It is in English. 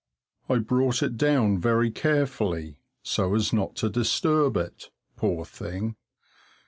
I brought it down very carefully, so as not to disturb it, poor thing.